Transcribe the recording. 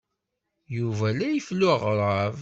Yuba la ifellu aɣrab.